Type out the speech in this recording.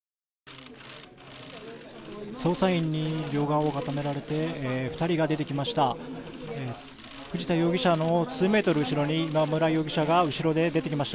捜査員に両側を固められて２人が出てきました。